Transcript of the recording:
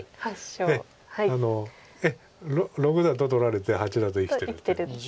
６だと取られて８だと生きてるんで。